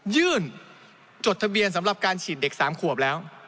จดทะเบียนสำหรับการฉีดเด็ก๓ขวบแล้ว